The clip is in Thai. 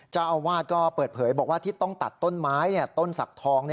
เจ้าอาวาสก็เปิดเผยบอกว่าที่ต้องตัดต้นไม้ต้นสักทอง